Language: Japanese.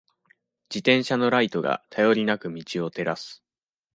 自転車のライトが、頼りなく道を照らす。